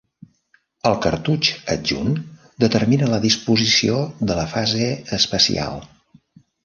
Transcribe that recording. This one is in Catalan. El cartutx adjunt determina la disposició de la fase especial.